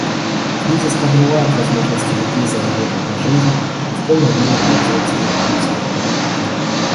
Кризис подрывает возможности людей заработать на жизнь и в полной мере пользоваться благами свободы.